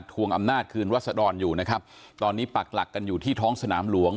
วงอำนาจคืนรัศดรอยู่นะครับตอนนี้ปักหลักกันอยู่ที่ท้องสนามหลวง